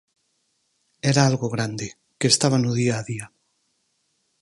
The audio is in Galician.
Era algo grande, que estaba no día a día.